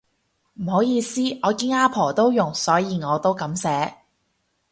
唔好意思，我見阿婆都用所以我都噉寫